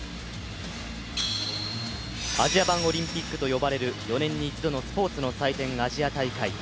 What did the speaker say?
アジア版オリンピックと呼ばれる４年に一度のスポーツの祭典アジア大会。